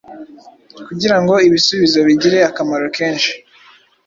Kugirango ibisubizo bigire akamaro kenshi